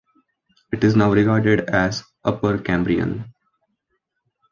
It is now regarded as Upper Cambrian.